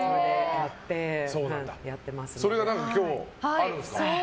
それが今日あるんですか？